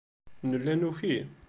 Nella nuki.